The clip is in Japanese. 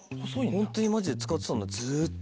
ホントにマジで使ってたんだずっと。